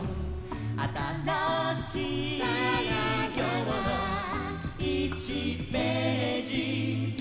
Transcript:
「あたらしいきょうの１ページ」